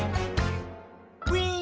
「ウィン！」